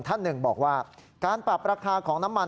ท่านหนึ่งบอกว่าการปรับราคาของน้ำมัน